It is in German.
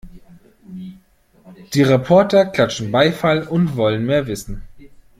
Die Reporter klatschen Beifall und wollen mehr wissen.